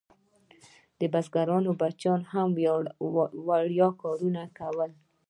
د بزګرانو بچیانو هم وړیا کارونه کول.